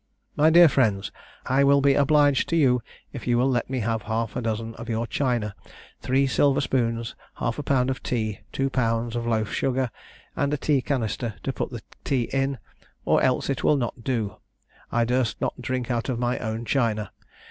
"My dear Friends. I will be obliged to you if you will let me have half a dozen of your china, three silver spoons, half a pound of tea, two pounds of loaf sugar, and a tea canister to put the tea in, or else it will not do I durst not drink out of my own china.